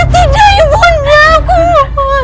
tidak ibu nia aku mau